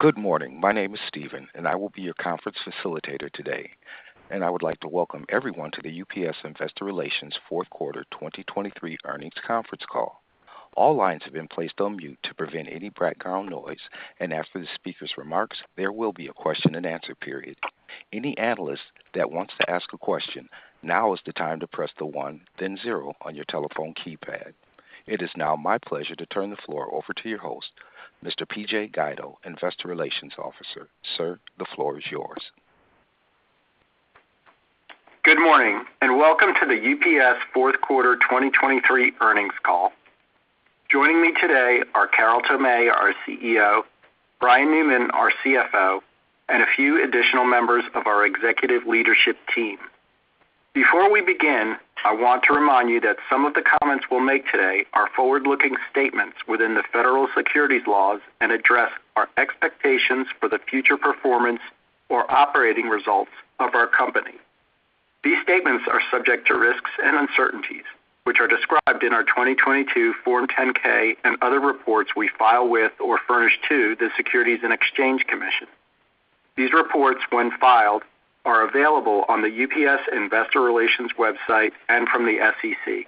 Good morning. My name is Steven, and I will be your conference facilitator today, and I would like to welcome everyone to the UPS Investor Relations Fourth Quarter 2023 Earnings Conference Call. All lines have been placed on mute to prevent any background noise, and after the speaker's remarks, there will be a question-and-answer period. Any analyst that wants to ask a question, now is the time to press the one, then zero on your telephone keypad. It is now my pleasure to turn the floor over to your host, Mr. PJ Guido, Investor Relations Officer. Sir, the floor is yours. Good morning, and welcome to the UPS Fourth Quarter 2023 Earnings Call. Joining me today are Carol Tomé, our CEO, Brian Newman, our CFO, and a few additional members of our executive leadership team. Before we begin, I want to remind you that some of the comments we'll make today are forward-looking statements within the federal securities laws and address our expectations for the future performance or operating results of our company. These statements are subject to risks and uncertainties, which are described in our 2022 Form 10-K and other reports we file with or furnish to the Securities and Exchange Commission. These reports, when filed, are available on the UPS Investor Relations website and from the SEC.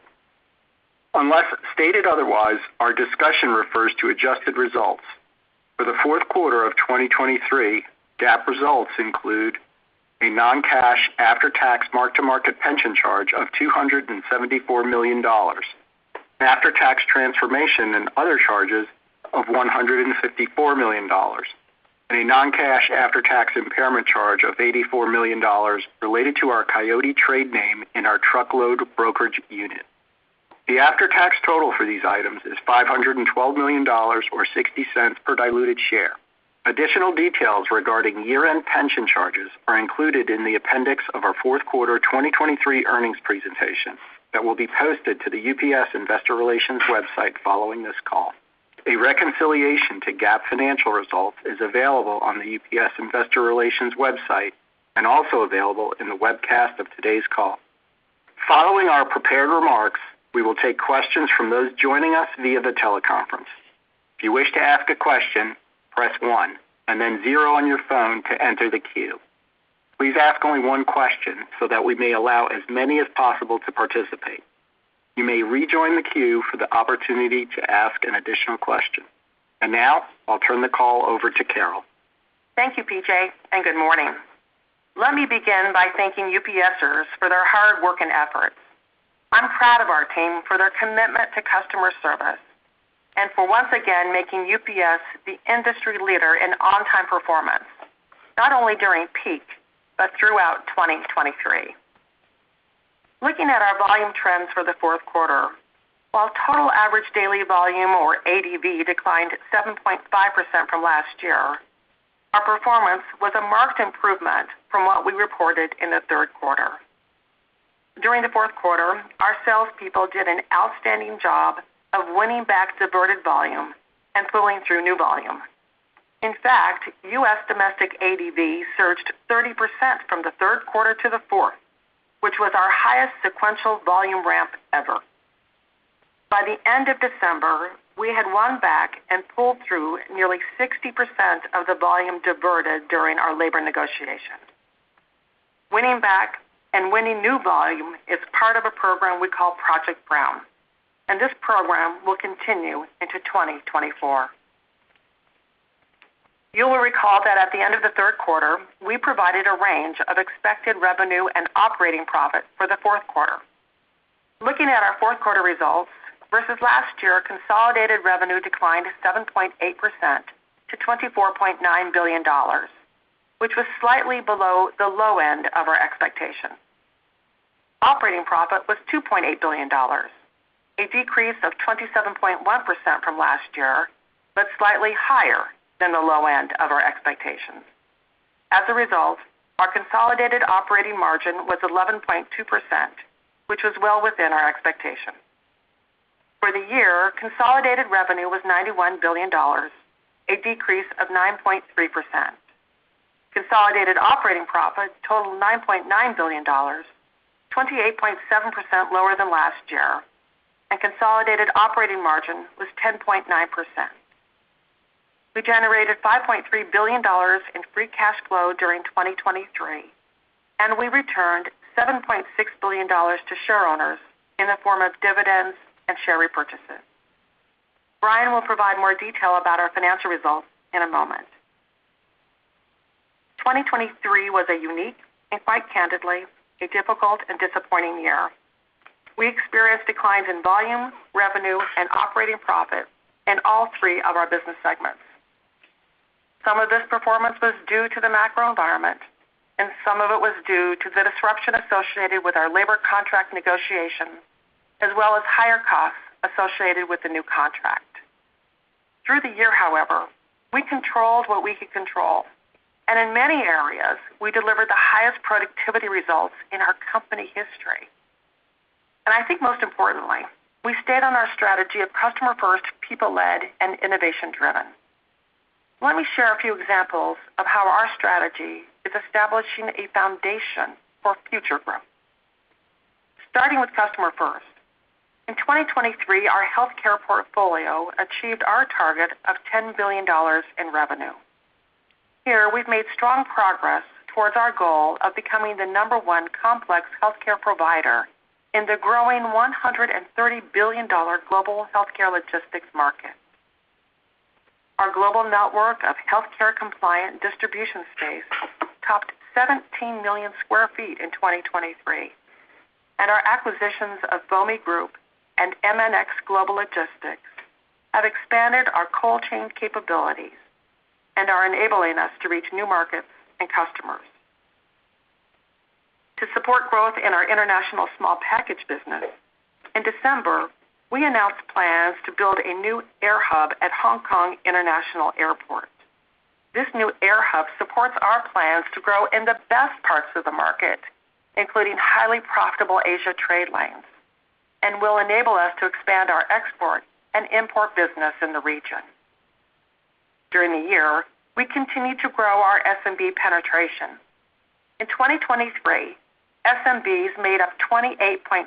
Unless stated otherwise, our discussion refers to adjusted results. For the fourth quarter of 2023, GAAP results include a non-cash after-tax mark-to-market pension charge of $274 million, after-tax transformation and other charges of $154 million, and a non-cash after-tax impairment charge of $84 million related to our Coyote trade name in our truckload brokerage unit. The after-tax total for these items is $512 million, or $0.60 per diluted share. Additional details regarding year-end pension charges are included in the appendix of our fourth quarter 2023 earnings presentation that will be posted to the UPS Investor Relations website following this call. A reconciliation to GAAP financial results is available on the UPS Investor Relations website and also available in the webcast of today's call. Following our prepared remarks, we will take questions from those joining us via the teleconference. If you wish to ask a question, press one and then zero on your phone to enter the queue. Please ask only one question so that we may allow as many as possible to participate. You may rejoin the queue for the opportunity to ask an additional question. Now I'll turn the call over to Carol. Thank you, PJ, and good morning. Let me begin by thanking UPSers for their hard work and efforts. I'm proud of our team for their commitment to customer service and for once again making UPS the industry leader in on-time performance, not only during peak, but throughout 2023. Looking at our volume trends for the fourth quarter, while total average daily volume, or ADV, declined 7.5% from last year, our performance was a marked improvement from what we reported in the third quarter. During the fourth quarter, our salespeople did an outstanding job of winning back diverted volume and pulling through new volume. In fact, U.S. domestic ADV surged 30% from the third quarter to the fourth, which was our highest sequential volume ramp ever. By the end of December, we had won back and pulled through nearly 60% of the volume diverted during our labor negotiations. Winning back and winning new volume is part of a program we call Project Brown, and this program will continue into 2024. You will recall that at the end of the third quarter, we provided a range of expected revenue and operating profit for the fourth quarter. Looking at our fourth quarter results versus last year, consolidated revenue declined 7.8% to $24.9 billion, which was slightly below the low end of our expectations. Operating profit was $2.8 billion, a decrease of 27.1% from last year, but slightly higher than the low end of our expectations. As a result, our consolidated operating margin was 11.2%, which was well within our expectations. For the year, consolidated revenue was $91 billion, a decrease of 9.3%. Consolidated operating profit totaled $9.9 billion, 28.7% lower than last year, and consolidated operating margin was 10.9%. We generated $5.3 billion in free cash flow during 2023, and we returned $7.6 billion to shareowners in the form of dividends and share repurchases. Brian will provide more detail about our financial results in a moment. 2023 was a unique and, quite candidly, a difficult and disappointing year. We experienced declines in volume, revenue, and operating profit in all three of our business segments. Some of this performance was due to the macro environment, and some of it was due to the disruption associated with our labor contract negotiations, as well as higher costs associated with the new contract. Through the year, however, we controlled what we could control, and in many areas, we delivered the highest productivity results in our company history. And I think most importantly, we stayed on our strategy of customer first, people led, and innovation driven. Let me share a few examples of how our strategy is establishing a foundation for future growth. Starting with customer first. In 2023, our healthcare portfolio achieved our target of $10 billion in revenue. Here, we've made strong progress towards our goal of becoming the number one complex healthcare provider in the growing $130 billion global healthcare logistics market. Our global network of healthcare compliant distribution space topped 17 million sq ft in 2023, and our acquisitions of Bomi Group and MNX Global Logistics have expanded our cold chain capabilities and are enabling us to reach new markets and customers. To support growth in our international small package business, in December, we announced plans to build a new air hub at Hong Kong International Airport. This new air hub supports our plans to grow in the best parts of the market, including highly profitable Asia trade lanes, and will enable us to expand our export and import business in the region. During the year, we continued to grow our SMB penetration. In 2023, SMBs made up 28.6%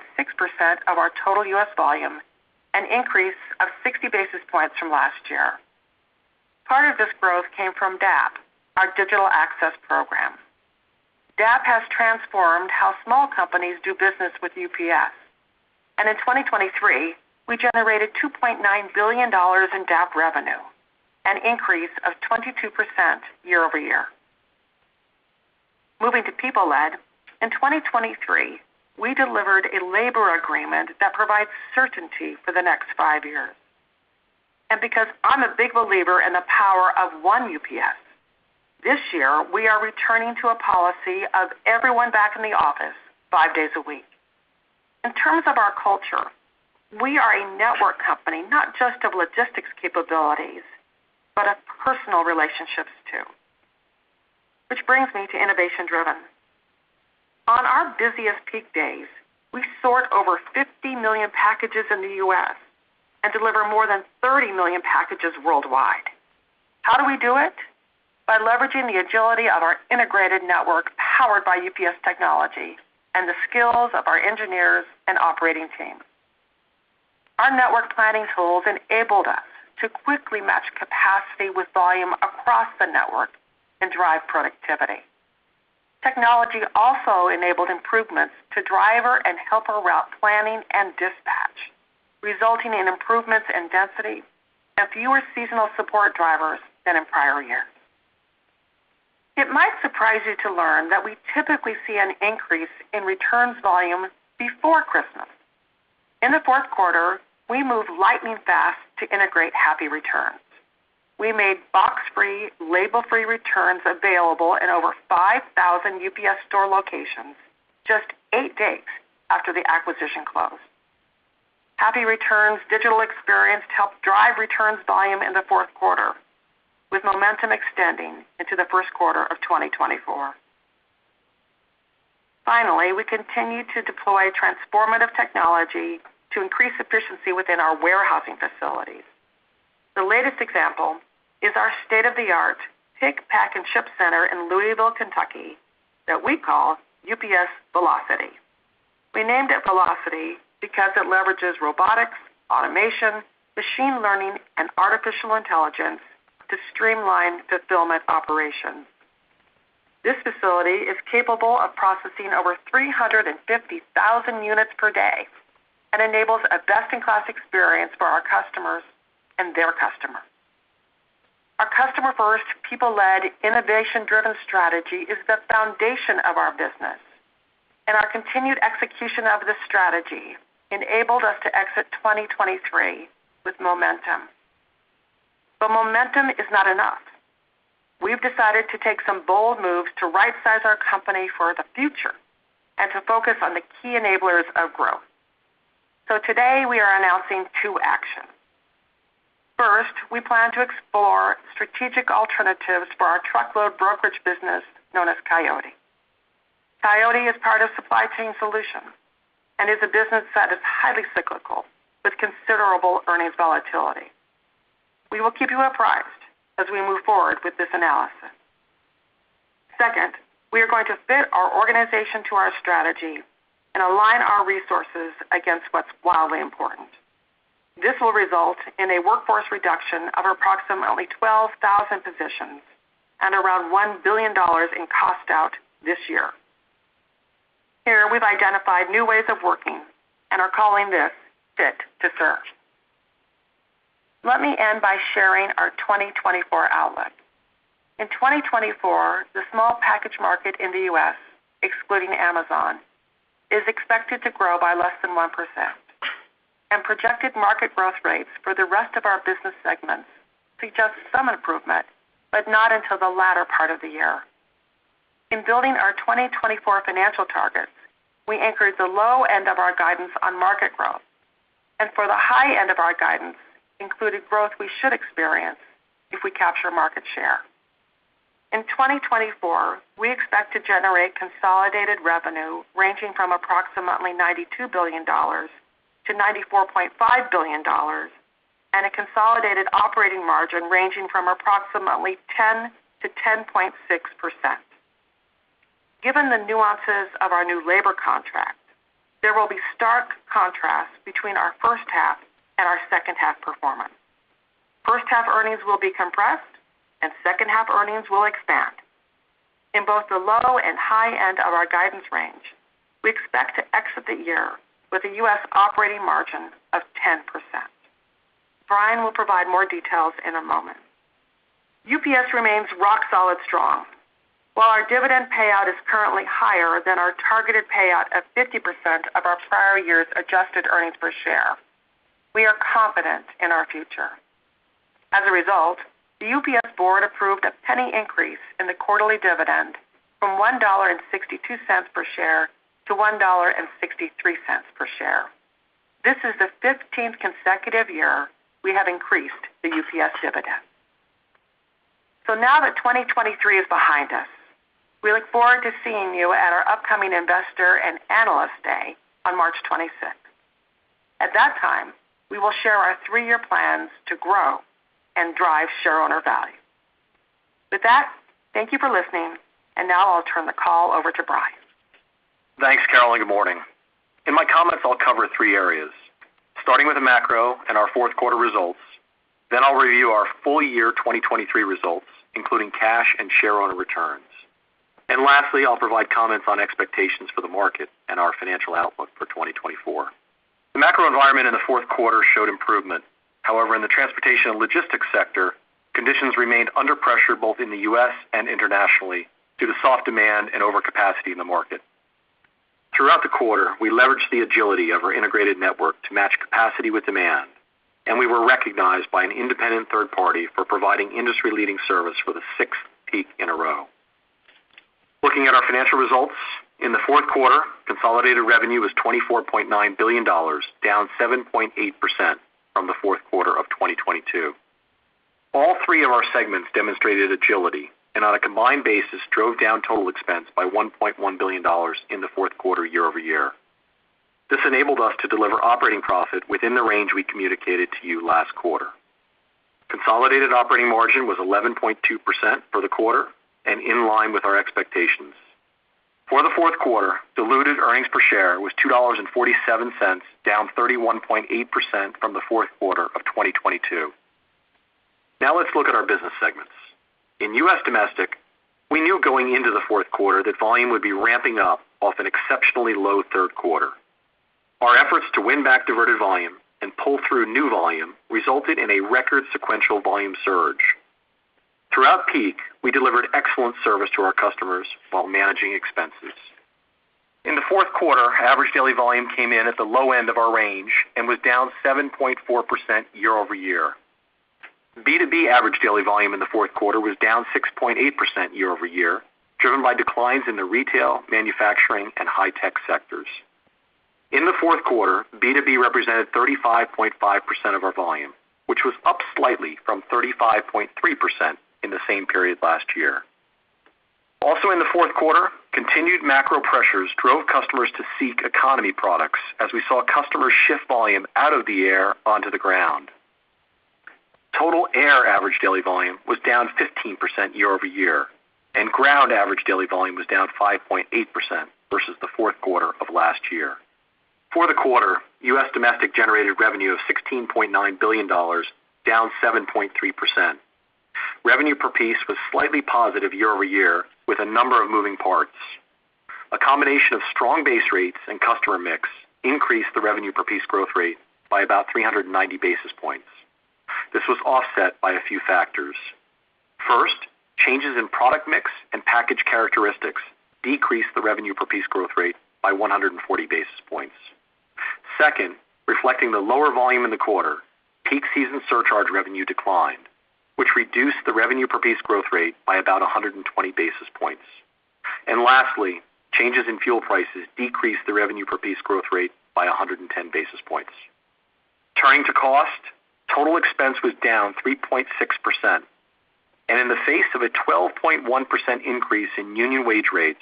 of our total U.S. volume, an increase of 60 basis points from last year. Part of this growth came from DAP, our Digital Access Program. DAP has transformed how small companies do business with UPS, and in 2023, we generated $2.9 billion in DAP revenue, an increase of 22% year-over-year. Moving to people-led. In 2023, we delivered a labor agreement that provides certainty for the next five years. Because I'm a big believer in the power of one UPS, this year we are returning to a policy of everyone back in the office five days a week. In terms of our culture, we are a network company, not just of logistics capabilities, but of personal relationships, too. Which brings me to innovation driven. On our busiest peak days, we sort over 50 million packages in the U.S. and deliver more than 30 million packages worldwide. How do we do it? By leveraging the agility of our integrated network, powered by UPS technology and the skills of our engineers and operating teams. Our network planning tools enabled us to quickly match capacity with volume across the network and drive productivity. Technology also enabled improvements to driver and helper route planning and dispatch, resulting in improvements in density and fewer seasonal support drivers than in prior years. It might surprise you to learn that we typically see an increase in returns volume before Christmas. In the fourth quarter, we moved lightning fast to integrate Happy Returns. We made box-free, label-free returns available in over 5,000 UPS Store locations just eight days after the acquisition closed. Happy Returns digital experience helped drive returns volume in the fourth quarter, with momentum extending into the first quarter of 2024. Finally, we continued to deploy transformative technology to increase efficiency within our warehousing facilities. The latest example is our state-of-the-art pick, pack, and ship center in Louisville, Kentucky, that we call UPS Velocity. We named it Velocity because it leverages robotics, automation, machine learning, and artificial intelligence to streamline fulfillment operations. This facility is capable of processing over 350,000 units per day and enables a best-in-class experience for our customers and their customers. Our customer-first, people-led, innovation-driven strategy is the foundation of our business, and our continued execution of this strategy enabled us to exit 2023 with momentum. But momentum is not enough. We've decided to take some bold moves to rightsize our company for the future and to focus on the key enablers of growth. So today we are announcing two actions. First, we plan to explore strategic alternatives for our truckload brokerage business known as Coyote. Coyote is part of Supply Chain Solutions and is a business that is highly cyclical with considerable earnings volatility. We will keep you apprised as we move forward with this analysis. Second, we are going to fit our organization to our strategy and align our resources against what's wildly important. This will result in a workforce reduction of approximately 12,000 positions and around $1 billion in cost out this year. Here, we've identified new ways of working and are calling this Fit to Serve. Let me end by sharing our 2024 outlook. In 2024, the small package market in the U.S., excluding Amazon, is expected to grow by less than 1%, and projected market growth rates for the rest of our business segments suggest some improvement, but not until the latter part of the year. In building our 2024 financial targets, we anchored the low end of our guidance on market growth, and for the high end of our guidance, included growth we should experience if we capture market share. In 2024, we expect to generate consolidated revenue ranging from approximately $92 billion to $94.5 billion, and a consolidated operating margin ranging from approximately 10%-10.6%. Given the nuances of our new labor contract, there will be stark contrast between our first half and our second half performance. First half earnings will be compressed and second half earnings will expand. In both the low and high end of our guidance range, we expect to exit the year with a U.S. operating margin of 10%. Brian will provide more details in a moment. UPS remains rock solid strong. While our dividend payout is currently higher than our targeted payout of 50% of our prior year's adjusted earnings per share, we are confident in our future. As a result, the UPS board approved a penny increase in the quarterly dividend from $1.62 per share to $1.63 per share. This is the 15th consecutive year we have increased the UPS dividend. Now that 2023 is behind us, we look forward to seeing you at our upcoming Investor and Analyst Day on March 26. At that time, we will share our 3-year plans to grow and drive shareowner value. With that, thank you for listening, and now I'll turn the call over to Brian. Thanks, Carol and Good morning. In my comments, I'll cover three areas, starting with the macro and our fourth quarter results. Then I'll review our full year 2023 results, including cash and shareowner returns. And lastly, I'll provide comments on expectations for the market and our financial outlook for 2024. The macro environment in the fourth quarter showed improvement. However, in the transportation and logistics sector, conditions remained under pressure, both in the U.S. and internationally, due to soft demand and overcapacity in the market. Throughout the quarter, we leveraged the agility of our integrated network to match capacity with demand, and we were recognized by an independent third party for providing industry-leading service for the sixth peak in a row. Looking at our financial results, in the fourth quarter, consolidated revenue was $24.9 billion, down 7.8% from the fourth quarter of 2022. All three of our segments demonstrated agility and on a combined basis, drove down total expense by $1.1 billion in the fourth quarter year-over-year. This enabled us to deliver operating profit within the range we communicated to you last quarter. Consolidated operating margin was 11.2% for the quarter and in line with our expectations. For the fourth quarter, diluted earnings per share was $2.47, down 31.8% from the fourth quarter of 2022. Now let's look at our business segments. In U.S. Domestic, we knew going into the fourth quarter that volume would be ramping up off an exceptionally low third quarter. Our efforts to win back diverted volume and pull through new volume resulted in a record sequential volume surge. Throughout peak, we delivered excellent service to our customers while managing expenses. In the fourth quarter, average daily volume came in at the low end of our range and was down 7.4% year-over-year. B2B average daily volume in the fourth quarter was down 6.8% year-over-year, driven by declines in the retail, manufacturing, and high tech sectors. In the fourth quarter, B2B represented 35.5% of our volume, which was up slightly from 35.3% in the same period last year. Also in the fourth quarter, continued macro pressures drove customers to seek economy products as we saw customers shift volume out of the air onto the ground. Total air average daily volume was down 15% year-over-year, and ground average daily volume was down 5.8% versus the fourth quarter of last year. For the quarter, U.S. Domestic generated revenue of $16.9 billion, down 7.3%. Revenue per piece was slightly positive year-over-year, with a number of moving parts. A combination of strong base rates and customer mix increased the revenue per piece growth rate by about 390 basis points. This was offset by a few factors. First, changes in product mix and package characteristics decreased the revenue per piece growth rate by 140 basis points. Second, reflecting the lower volume in the quarter, peak season surcharge revenue declined, which reduced the revenue per piece growth rate by about 120 basis points. Lastly, changes in fuel prices decreased the revenue per piece growth rate by 110 basis points. Turning to cost, total expense was down 3.6%, and in the face of a 12.1% increase in union wage rates,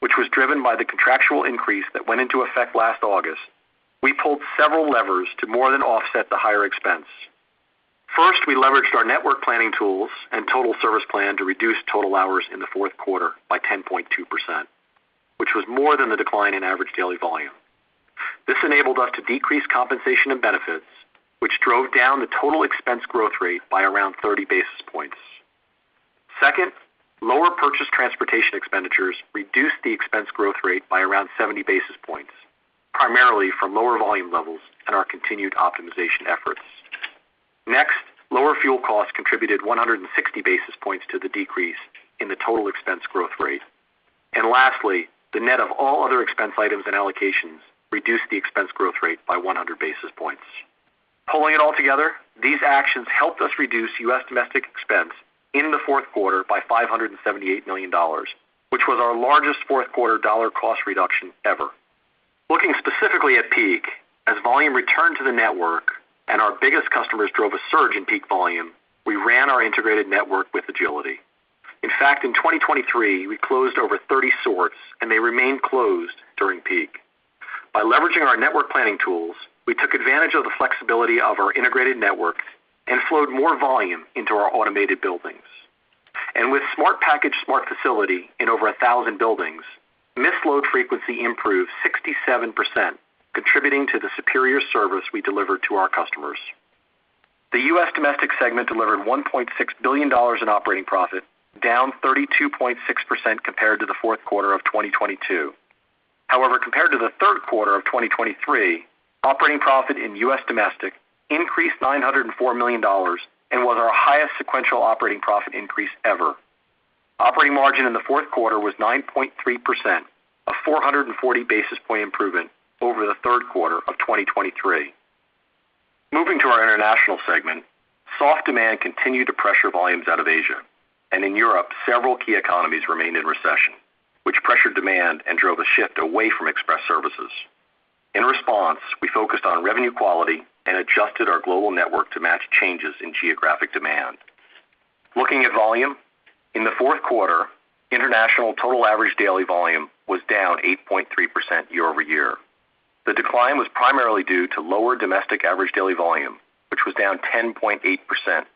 which was driven by the contractual increase that went into effect last August, we pulled several levers to more than offset the higher expense. First, we leveraged our network planning tools and total service plan to reduce total hours in the fourth quarter by 10.2%, which was more than the decline in average daily volume. This enabled us to decrease compensation and benefits, which drove down the total expense growth rate by around 30 basis points. Second, lower purchase transportation expenditures reduced the expense growth rate by around 70 basis points, primarily from lower volume levels and our continued optimization efforts. Next, lower fuel costs contributed 160 basis points to the decrease in the total expense growth rate. And lastly, the net of all other expense items and allocations reduced the expense growth rate by 100 basis points. Pulling it all together, these actions helped us reduce U.S. domestic expense in the fourth quarter by $578 million, which was our largest fourth quarter dollar cost reduction ever. Looking specifically at peak, as volume returned to the network and our biggest customers drove a surge in peak volume, we ran our integrated network with agility. In fact, in 2023, we closed over 30 sorts and they remained closed during peak.... By leveraging our network planning tools, we took advantage of the flexibility of our integrated network and flowed more volume into our automated buildings. With Smart Package, Smart Facility in over 1,000 buildings, missed load frequency improved 67%, contributing to the superior service we deliver to our customers. The U.S. Domestic segment delivered $1.6 billion in operating profit, down 32.6% compared to the fourth quarter of 2022. However, compared to the third quarter of 2023, operating profit in U.S. Domestic increased $904 million and was our highest sequential operating profit increase ever. Operating margin in the fourth quarter was 9.3%, a 440 basis point improvement over the third quarter of 2023. Moving to our International segment, soft demand continued to pressure volumes out of Asia, and in Europe, several key economies remained in recession, which pressured demand and drove a shift away from express services. In response, we focused on revenue quality and adjusted our global network to match changes in geographic demand. Looking at volume, in the fourth quarter, international total average daily volume was down 8.3% year-over-year. The decline was primarily due to lower domestic average daily volume, which was down 10.8%,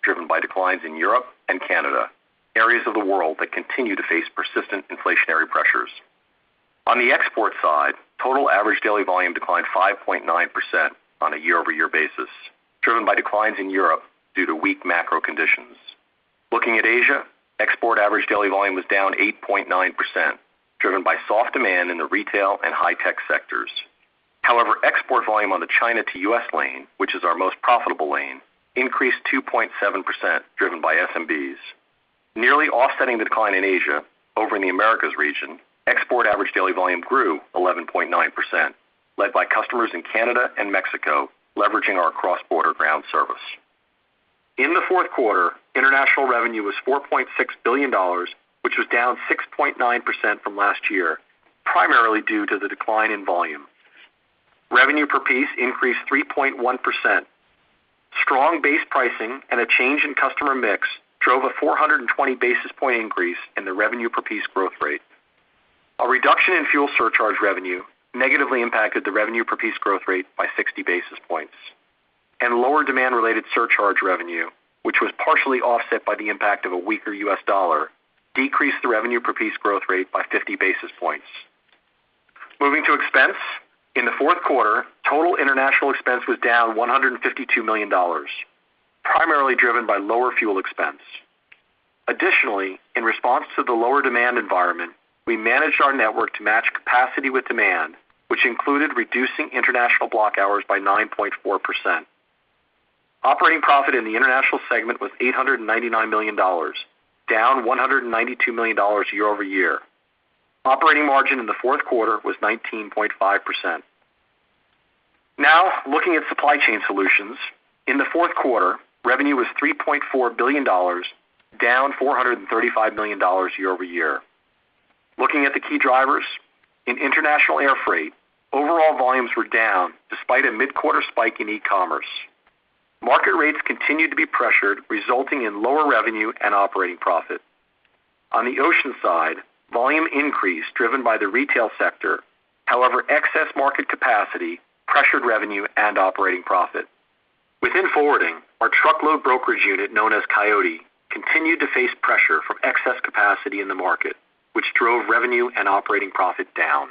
driven by declines in Europe and Canada, areas of the world that continue to face persistent inflationary pressures. On the export side, total average daily volume declined 5.9% on a year-over-year basis, driven by declines in Europe due to weak macro conditions. Looking at Asia, export average daily volume was down 8.9%, driven by soft demand in the retail and high-tech sectors. However, export volume on the China to U.S. lane, which is our most profitable lane, increased 2.7%, driven by SMBs. Nearly offsetting the decline in Asia, over in the Americas region, export average daily volume grew 11.9%, led by customers in Canada and Mexico, leveraging our cross-border ground service. In the fourth quarter, international revenue was $4.6 billion, which was down 6.9% from last year, primarily due to the decline in volume. Revenue per piece increased 3.1%. Strong base pricing and a change in customer mix drove a 420 basis point increase in the revenue per piece growth rate. A reduction in fuel surcharge revenue negatively impacted the revenue per piece growth rate by 60 basis points, and lower demand-related surcharge revenue, which was partially offset by the impact of a weaker US dollar, decreased the revenue per piece growth rate by 50 basis points. Moving to expense. In the fourth quarter, total international expense was down $152 million, primarily driven by lower fuel expense. Additionally, in response to the lower demand environment, we managed our network to match capacity with demand, which included reducing international block hours by 9.4%. Operating profit in the international segment was $899 million, down $192 million year-over-year. Operating margin in the fourth quarter was 19.5%. Now, looking at Supply Chain Solutions. In the fourth quarter, revenue was $3.4 billion, down $435 million year-over-year. Looking at the key drivers, in international air freight, overall volumes were down despite a mid-quarter spike in e-commerce. Market rates continued to be pressured, resulting in lower revenue and operating profit. On the ocean side, volume increased, driven by the retail sector. However, excess market capacity pressured revenue and operating profit. Within forwarding, our truckload brokerage unit, known as Coyote, continued to face pressure from excess capacity in the market, which drove revenue and operating profit down.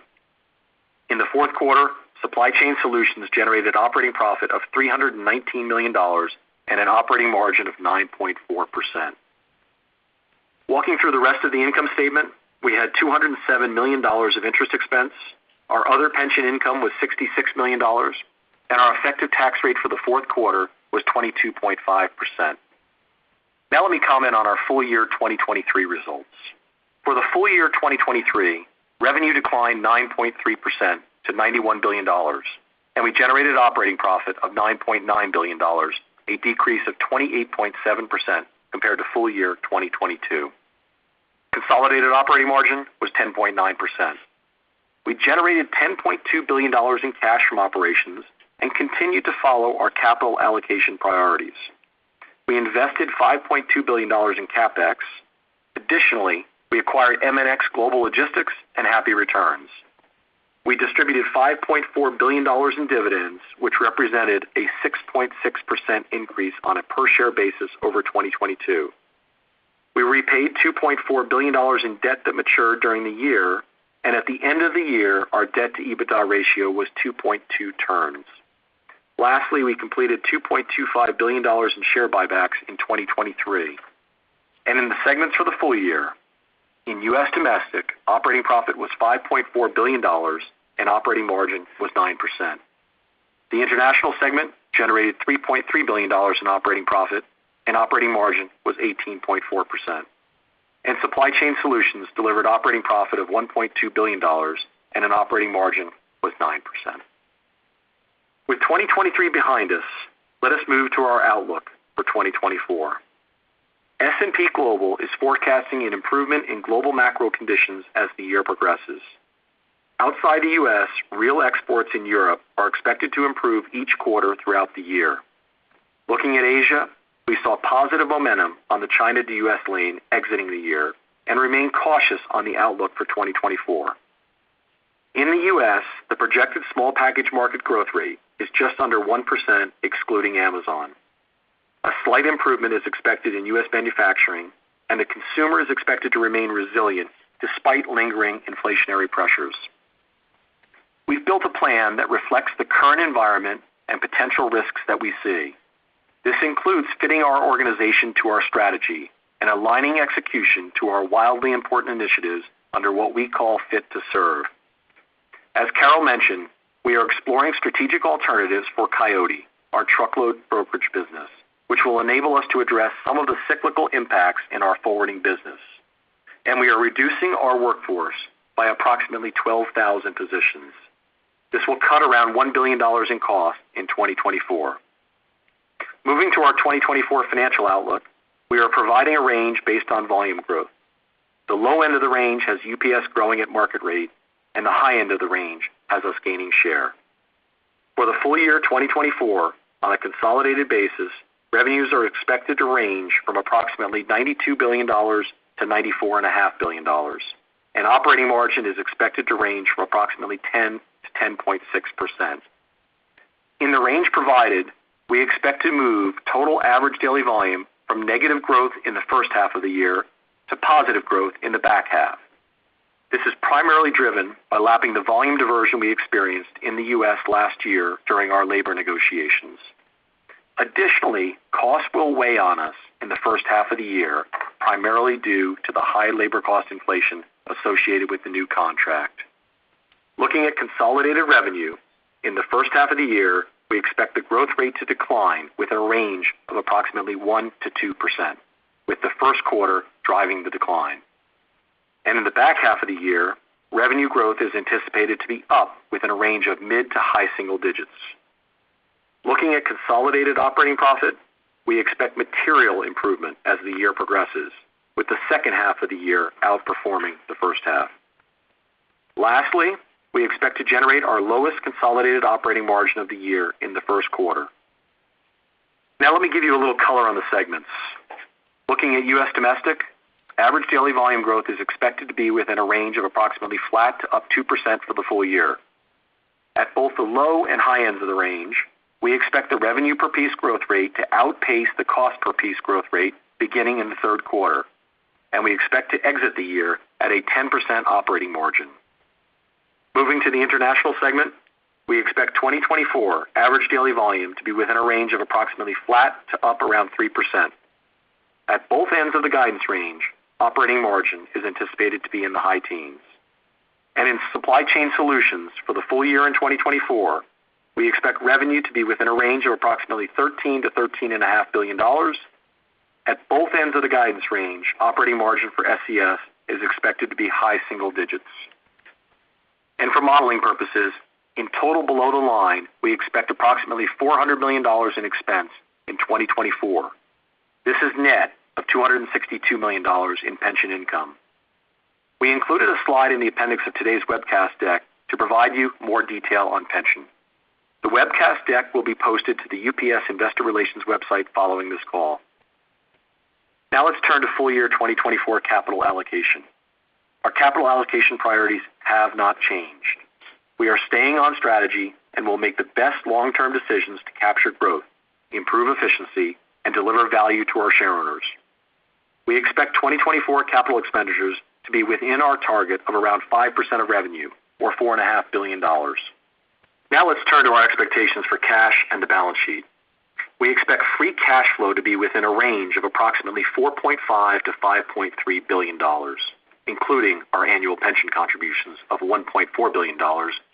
In the fourth quarter, Supply Chain Solutions generated operating profit of $319 million and an operating margin of 9.4%. Walking through the rest of the income statement, we had $207 million of interest expense. Our other pension income was $66 million, and our effective tax rate for the fourth quarter was 22.5%. Now, let me comment on our full year 2023 results. For the full year 2023, revenue declined 9.3% to $91 billion, and we generated operating profit of $9.9 billion, a decrease of 28.7% compared to full year 2022. Consolidated operating margin was 10.9%. We generated $10.2 billion in cash from operations and continued to follow our capital allocation priorities. We invested $5.2 billion in CapEx. Additionally, we acquired MNX Global Logistics and Happy Returns. We distributed $5.4 billion in dividends, which represented a 6.6% increase on a per share basis over 2022. We repaid $2.4 billion in debt that matured during the year, and at the end of the year, our debt-to-EBITDA ratio was 2.2 times. Lastly, we completed $2.25 billion in share buybacks in 2023. In the segments for the full year, in U.S. Domestic, operating profit was $5.4 billion and operating margin was 9%. The International segment generated $3.3 billion in operating profit, and operating margin was 18.4%. Supply Chain Solutions delivered operating profit of $1.2 billion and an operating margin was 9%. With 2023 behind us, let us move to our outlook for 2024. S&P Global is forecasting an improvement in global macro conditions as the year progresses. Outside the U.S., real exports in Europe are expected to improve each quarter throughout the year. Looking at Asia, we saw positive momentum on the China to U.S. lane exiting the year and remain cautious on the outlook for 2024. In the U.S., the projected small package market growth rate is just under 1%, excluding Amazon. A slight improvement is expected in U.S. manufacturing, and the consumer is expected to remain resilient despite lingering inflationary pressures. We've built a plan that reflects the current environment and potential risks that we see. This includes fitting our organization to our strategy and aligning execution to our wildly important initiatives under what we call Fit to Serve. As Carol mentioned, we are exploring strategic alternatives for Coyote, our truckload brokerage business, which will enable us to address some of the cyclical impacts in our forwarding business, and we are reducing our workforce by approximately 12,000 positions. This will cut around $1 billion in cost in 2024. Moving to our 2024 financial outlook, we are providing a range based on volume growth. The low end of the range has UPS growing at market rate, and the high end of the range has us gaining share. For the full year 2024, on a consolidated basis, revenues are expected to range from approximately $92 billion-$94.5 billion, and operating margin is expected to range from approximately 10%-10.6%. In the range provided, we expect to move total average daily volume from negative growth in the first half of the year to positive growth in the back half. This is primarily driven by lapping the volume diversion we experienced in the U.S. last year during our labor negotiations. Additionally, costs will weigh on us in the first half of the year, primarily due to the high labor cost inflation associated with the new contract. Looking at consolidated revenue, in the first half of the year, we expect the growth rate to decline within a range of approximately 1%-2%, with the first quarter driving the decline. In the back half of the year, revenue growth is anticipated to be up within a range of mid- to high-single-digits. Looking at consolidated operating profit, we expect material improvement as the year progresses, with the second half of the year outperforming the first half. Lastly, we expect to generate our lowest consolidated operating margin of the year in the first quarter. Now let me give you a little color on the segments. Looking at U.S. domestic, average daily volume growth is expected to be within a range of approximately flat to up 2% for the full year. At both the low and high ends of the range, we expect the revenue per piece growth rate to outpace the cost per piece growth rate beginning in the third quarter, and we expect to exit the year at a 10% operating margin. Moving to the International segment, we expect 2024 average daily volume to be within a range of approximately flat to up around 3%. At both ends of the guidance range, operating margin is anticipated to be in the high teens. In Supply Chain Solutions for the full year in 2024, we expect revenue to be within a range of approximately $13 billion-$13.5 billion. At both ends of the guidance range, operating margin for SCS is expected to be high single digits. For modeling purposes, in total below the line, we expect approximately $400 million in expense in 2024. This is net of $262 million in pension income. We included a slide in the appendix of today's webcast deck to provide you more detail on pension. The webcast deck will be posted to the UPS Investor Relations website following this call. Now let's turn to full year 2024 capital allocation. Our capital allocation priorities have not changed. We are staying on strategy and will make the best long-term decisions to capture growth, improve efficiency, and deliver value to our shareowners. We expect 2024 capital expenditures to be within our target of around 5% of revenue, or $4.5 billion. Now let's turn to our expectations for cash and the balance sheet. We expect free cash flow to be within a range of approximately $4.5 billion-$5.3 billion, including our annual pension contributions of $1.4 billion,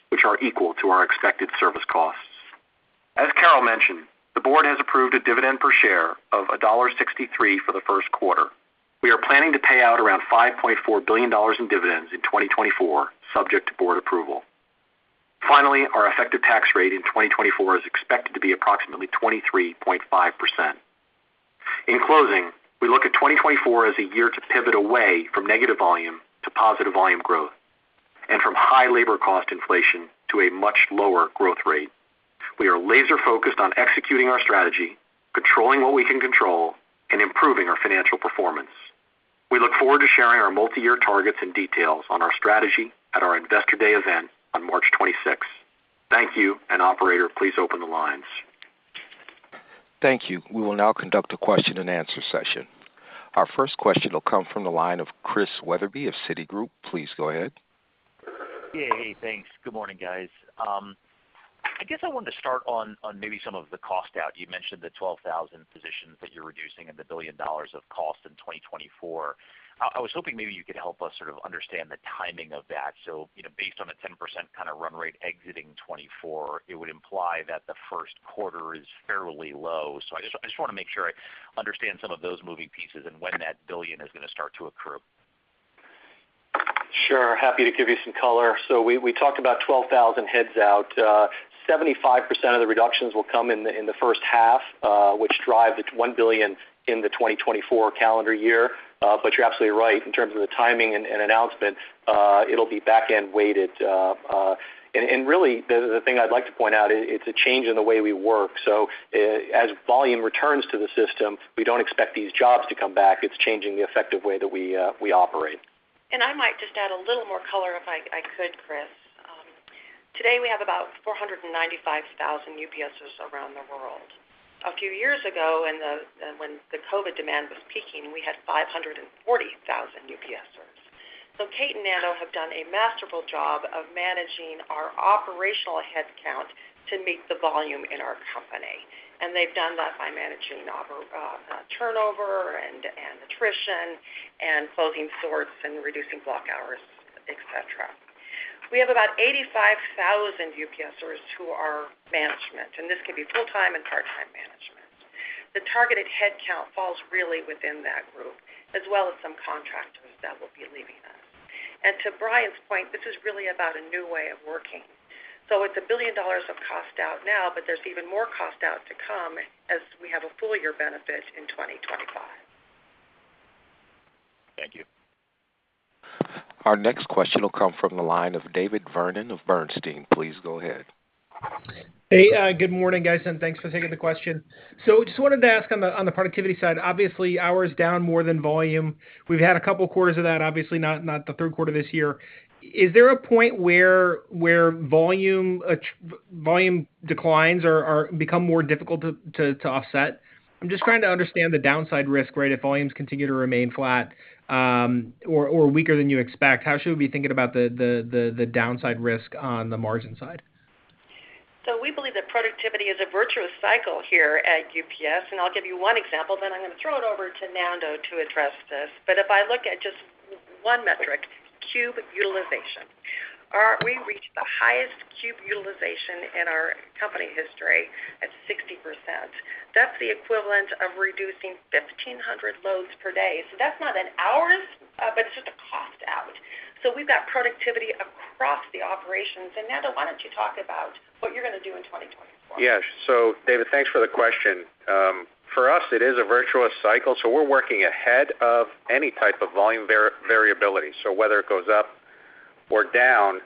which are equal to our expected service costs. As Carol mentioned, the board has approved a dividend per share of $1.63 for the first quarter. We are planning to pay out around $5.4 billion in dividends in 2024, subject to board approval. Finally, our effective tax rate in 2024 is expected to be approximately 23.5%. In closing, we look at 2024 as a year to pivot away from negative volume to positive volume growth and from high labor cost inflation to a much lower growth rate. We are laser focused on executing our strategy, controlling what we can control, and improving our financial performance. We look forward to sharing our multiyear targets and details on our strategy at our Investor Day event on March 26th. Thank you, and operator, please open the lines. Thank you. We will now conduct a question-and-answer session. Our first question will come from the line of Chris Wetherbee of Citigroup. Please go ahead. Yeah, hey, thanks. Good morning, guys. I guess I wanted to start on maybe some of the cost out. You mentioned the 12,000 positions that you're reducing and the $1 billion of cost in 2024. I was hoping maybe you could help us sort of understand the timing of that. So, you know, based on the 10% kind of run rate exiting 2024, it would imply that the first quarter is fairly low. So I just want to make sure I understand some of those moving pieces and when that $1 billion is going to start to accrue. Sure, happy to give you some color. So we talked about 12,000 heads out. Seventy-five percent of the reductions will come in the first half, which drives it to $1 billion in the 2024 calendar year. But you're absolutely right. In terms of the timing and announcement, it'll be back-end weighted. And really, the thing I'd like to point out, it's a change in the way we work. So as volume returns to the system, we don't expect these jobs to come back. It's changing the effective way that we operate. I might just add a little more color if I, I could, Chris. Today, we have about 495,000 UPSers around the world. A few years ago, when the COVID demand was peaking, we had 540,000 UPSers. So Kate and Nando have done a masterful job of managing our operational headcount to meet the volume in our company, and they've done that by managing our turnover and attrition, and closing sorts and reducing block hours, et cetera. We have about 85,000 UPSers who are management, and this can be full-time and part-time management. The targeted headcount falls really within that group, as well as some contractors that will be leaving us. To Brian's point, this is really about a new way of working. It's $1 billion of cost out now, but there's even more cost out to come as we have a full year benefit in 2025. Thank you. Our next question will come from the line of David Vernon of Bernstein. Please go ahead. Hey, good morning, guys, and thanks for taking the question. So just wanted to ask on the productivity side, obviously, hours down more than volume. We've had a couple of quarters of that, obviously not the third quarter this year. Is there a point where volume declines are become more difficult to offset? I'm just trying to understand the downside risk, right? If volumes continue to remain flat, or weaker than you expect, how should we be thinking about the downside risk on the margin side? So we believe that productivity is a virtuous cycle here at UPS, and I'll give you one example, then I'm gonna throw it over to Nando to address this. But if I look at just one metric, cube utilization. We reached the highest cube utilization in our company history at 60%. That's the equivalent of reducing 1,500 loads per day. So that's not in hours, but it's just a cost out. So we've got productivity across the operations. And Nando, why don't you talk about what you're gonna do in 2024? Yes. So David, thanks for the question. For us, it is a virtuous cycle, so we're working ahead of any type of volume variability. So whether it goes up or down,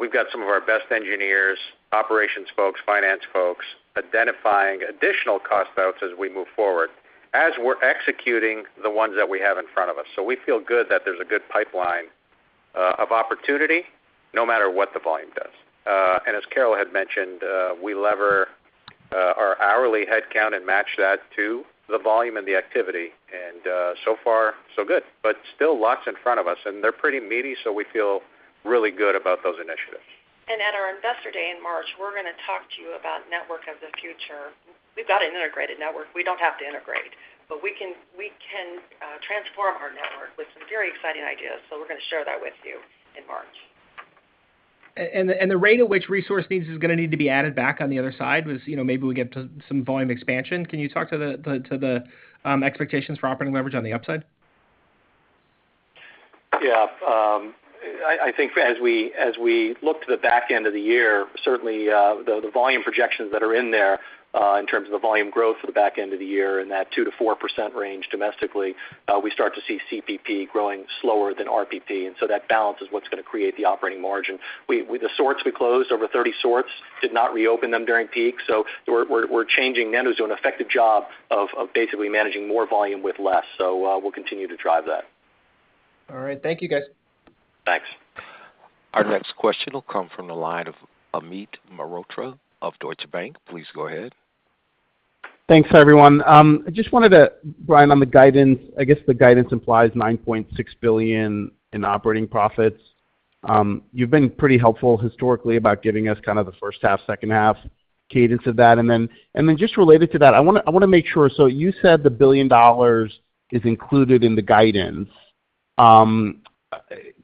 we've got some of our best engineers, operations folks, finance folks, identifying additional cost outs as we move forward, as we're executing the ones that we have in front of us. So we feel good that there's a good pipeline of opportunity, no matter what the volume does. And as Carol had mentioned, we lever our hourly headcount and match that to the volume and the activity, and so far, so good. But still lots in front of us, and they're pretty meaty, so we feel really good about those initiatives. At our Investor Day in March, we're gonna talk to you about Network of the Future. We've got an integrated network. We don't have to integrate, but we can, we can, transform our network with some very exciting ideas, so we're gonna share that with you in March. And the rate at which resource needs is gonna need to be added back on the other side was, you know, maybe we get to some volume expansion. Can you talk to the expectations for operating leverage on the upside? Yeah, I think as we look to the back end of the year, certainly, the volume projections that are in there, in terms of the volume growth for the back end of the year in that 2%-4% range domestically, we start to see CPP growing slower than RPP, and so that balance is what's gonna create the operating margin. We, with the sorts we closed, over 30 sorts, did not reopen them during peak, so we're changing. Nando's doing an effective job of basically managing more volume with less, so we'll continue to drive that. All right. Thank you, guys. Thanks. Our next question will come from the line of Amit Mehrotra of Deutsche Bank. Please go ahead. Thanks, everyone. I just wanted to, Brian, on the guidance, I guess the guidance implies $9.6 billion in operating profits. You've been pretty helpful historically about giving us kind of the first half, second half cadence of that. And then, and then just related to that, I wanna, I wanna make sure. So you said the $1 billion is included in the guidance.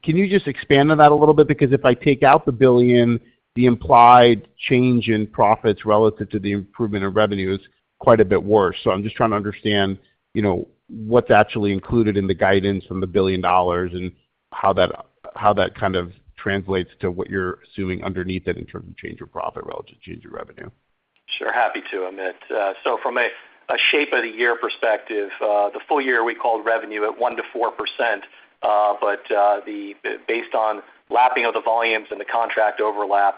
Can you just expand on that a little bit? Because if I take out the $1 billion, the implied change in profits relative to the improvement in revenue is quite a bit worse. So I'm just trying to understand, you know, what's actually included in the guidance from the $1 billion and how that, how that kind of translates to what you're assuming underneath it in terms of change of profit relative to change in revenue. Sure, happy to, Amit. So from a shape of the year perspective, the full year, we called revenue at 1%-4%, but based on lapping of the volumes and the contract overlap,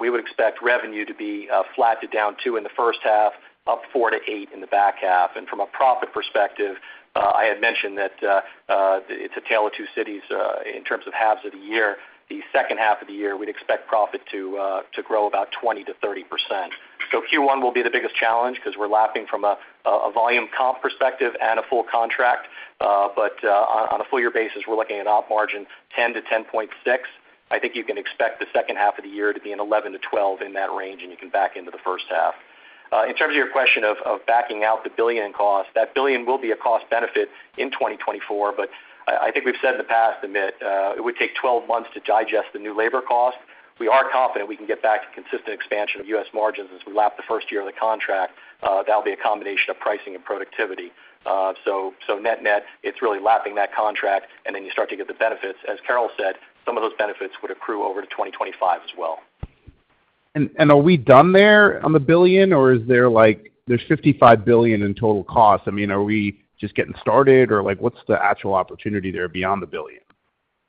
we would expect revenue to be flat to down 2% in the first half, up 4%-8% in the back half. And from a profit perspective, I had mentioned that it's a tale of two cities in terms of halves of the year. The second half of the year, we'd expect profit to grow about 20%-30%. So Q1 will be the biggest challenge 'cause we're lapping from a volume comp perspective and a full contract, but on a full year basis, we're looking at op margin 10%-10.6%. I think you can expect the second half of the year to be an 11-12 in that range, and you can back into the first half. In terms of your question of, of backing out the $1 billion in cost, that $1 billion will be a cost benefit in 2024, but I, I think we've said in the past, Amit, it would take 12 months to digest the new labor cost. We are confident we can get back to consistent expansion of U.S. margins as we lap the first year of the contract. That'll be a combination of pricing and productivity. So, so net-net, it's really lapping that contract, and then you start to get the benefits. As Carol said, some of those benefits would accrue over to 2025 as well. And are we done there on the billion, or is there like, there's $55 billion in total costs? I mean, are we just getting started, or like, what's the actual opportunity there beyond the billion?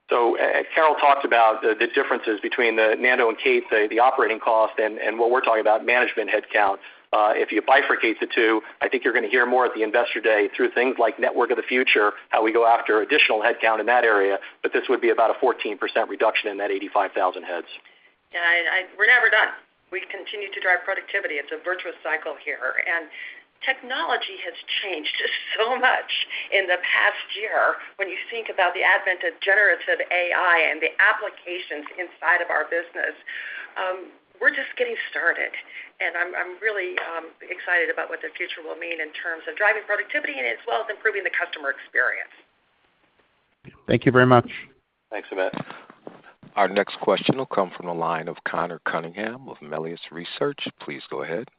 So, Carol talked about the, the differences between the Nando and Kate, say, the operating cost and, and what we're talking about management headcount. If you bifurcate the two, I think you're gonna hear more at the Investor Day through things like Network of the Future, how we go after additional headcount in that area, but this would be about a 14% reduction in that 85,000 heads. Yeah, we're never done. We continue to drive productivity. It's a virtuous cycle here, and technology has changed so much in the past year. When you think about the advent of Generative AI and the applications inside of our business, we're just getting started, and I'm really excited about what the future will mean in terms of driving productivity and as well as improving the customer experience. Thank you very much. Thanks, Amit. Our next question will come from the line of Conor Cunningham with Melius Research. Please go ahead.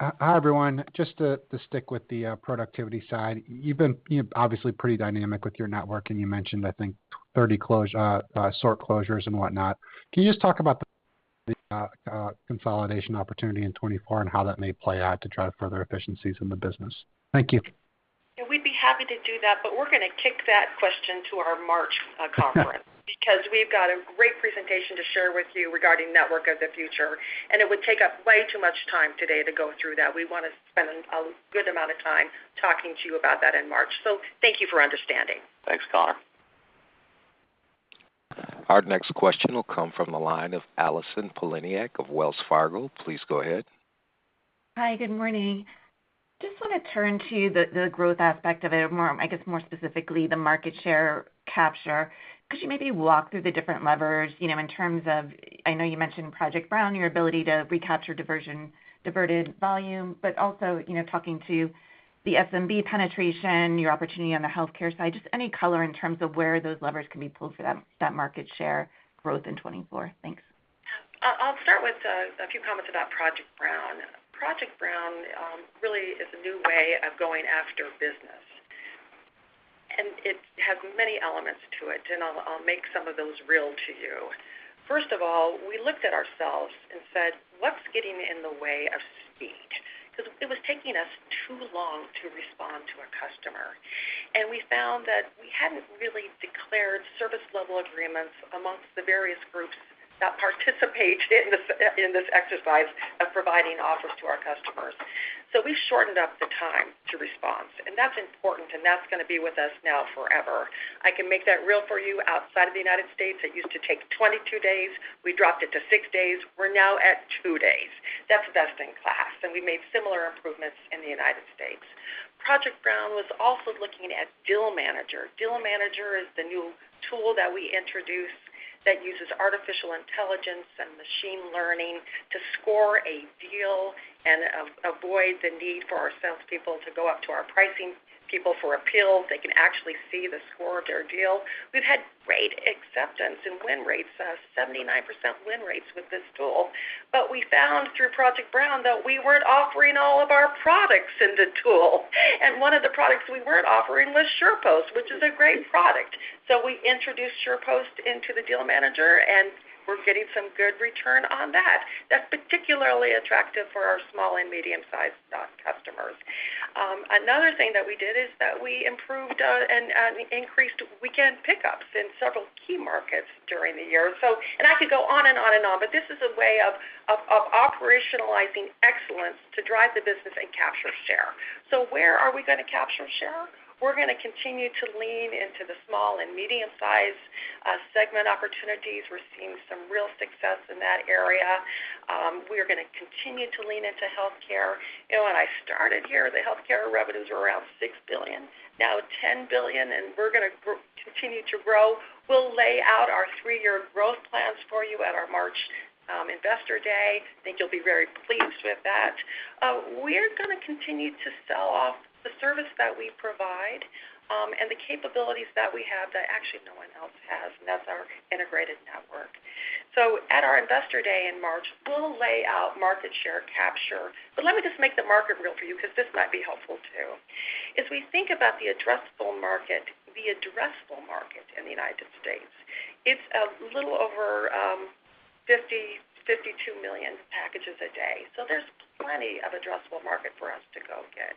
Hi, everyone. Just to stick with the productivity side, you've been, you know, obviously pretty dynamic with your network, and you mentioned, I think, 30 close sort closures and whatnot. Can you just talk about the consolidation opportunity in 2024 and how that may play out to drive further efficiencies in the business? Thank you. Yeah, we'd be happy to do that, but we're gonna kick that question to our March conference. Because we've got a great presentation to share with you regarding Network of the Future, and it would take up way too much time today to go through that. We want to spend a good amount of time talking to you about that in March. So thank you for understanding. Thanks, Conor. Our next question will come from the line of Allison Poliniak of Wells Fargo. Please go ahead. Hi, good morning. Just want to turn to the growth aspect of it, more, I guess, more specifically, the market share capture. Could you maybe walk through the different levers, you know, in terms of, I know you mentioned Project Brown, your ability to recapture diversion, diverted volume, but also, you know, talking to the SMB penetration, your opportunity on the healthcare side, just any color in terms of where those levers can be pulled for that market share growth in 2024? Thanks. I'll start with a few comments about Project Brown. Project Brown really is a new way of going after business, and it has many elements to it, and I'll make some of those real to you. First of all, we looked at ourselves and said, "What's getting in the way of speed?" Because it was taking us too long to respond to a customer, and we found that we hadn't really declared service level agreements among the various groups that participate in this exercise of providing offers to our customers. So we shortened up the time to response, and that's important, and that's gonna be with us now forever. I can make that real for you. Outside of the United States, it used to take 22 days. We dropped it to 6 days. We're now at 2 days. That's best in class, and we made similar improvements in the United States. Project Brown was also looking at Deal Manager. Deal Manager is the new tool that we introduced that uses artificial intelligence and machine learning to score a deal and avoid the need for our salespeople to go up to our pricing people for appeals. They can actually see the score of their deal. We've had great acceptance and win rates, 79% win rates with this tool. But we found through Project Brown that we weren't offering all of our products in the tool, and one of the products we weren't offering was SurePost, which is a great product. So we introduced SurePost into the Deal Manager, and we're getting some good return on that. That's particularly attractive for our small and medium-sized customers. Another thing that we did is that we improved and increased weekend pickups in several key markets during the year. So, I could go on and on and on, but this is a way of operationalizing excellence to drive the business and capture share. So where are we gonna capture share? We're gonna continue to lean into the small and medium-sized segment opportunities. We're seeing some real success in that area. We're gonna continue to lean into healthcare. You know, when I started here, the healthcare revenues were around $6 billion, now it's $10 billion, and we're gonna continue to grow. We'll lay out our three-year growth plans for you at our March Investor Day. I think you'll be very pleased with that. We're gonna continue to sell off the service that we provide, and the capabilities that we have that actually no one else has, and that's our integrated network. So at our Investor Day in March, we'll lay out market share capture. But let me just make the market real for you because this might be helpful, too. As we think about the addressable market, the addressable market in the United States, it's a little over 52 million packages a day. So there's plenty of addressable market for us to go get,